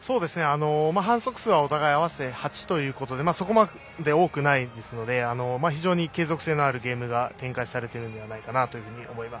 反則数はお互いに合わせて８ということでそこまで多くなくて非常に継続性のあるゲームが展開されているのではないかなと思います。